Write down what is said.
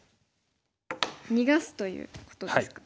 逃がすということですか？